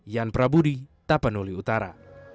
yan prabudi tapanuli utara